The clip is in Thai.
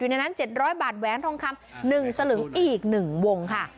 ในนั้น๗๐๐บาทแหวนทองคำ๑สลึงอีก๑วงค่ะ